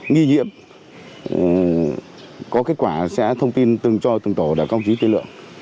nghi nhiệm có kết quả sẽ thông tin cho từng tổ đã công trí tên lượng